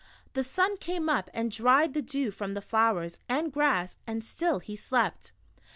The sun came up and dried the dew from the flowers and grass, and still he slept